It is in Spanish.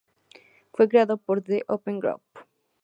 Fue creado por The Open Group.